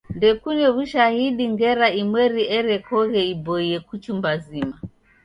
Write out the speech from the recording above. Ndekune w'ushahidi ngera imweri erekoghe iboie kuchumba zima.